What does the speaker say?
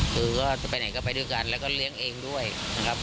คือก็จะไปไหนก็ไปด้วยกันแล้วก็เลี้ยงเองด้วยนะครับ